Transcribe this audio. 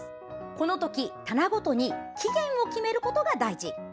この時棚ごとに期限を決めることが大事。